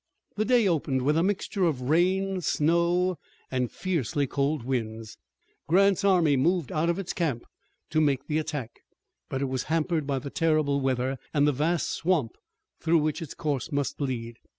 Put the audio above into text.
The day opened with a mixture of rain, snow, and fiercely cold winds. Grant's army moved out of its camp to make the attack, but it was hampered by the terrible weather and the vast swamp through which its course must lead.